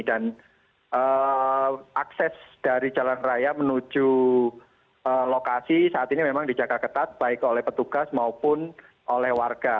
dan akses dari jalan raya menuju lokasi saat ini memang dijaga ketat baik oleh petugas maupun oleh warga